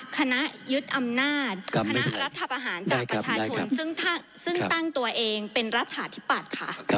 คณะยึดอำนาจกรรมกรรมรัชทธรรมอาหารจากประเทศคุณซึ่งค่ะซึ่งตั้งตัวเองเป็นรัฐฐาธิปัติค่ะ